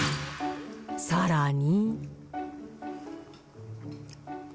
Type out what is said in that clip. さらに。